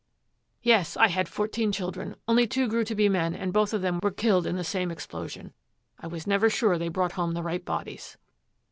'Yes, I had fourteen children; only two grew to be men and both of them were killed in the same explosion. I was never sure they brought home the right bodies.'